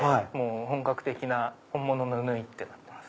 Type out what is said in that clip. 本格的な本物の縫いってなってます。